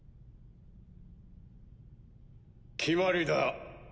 決まりだ。